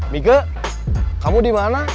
mige kamu dimana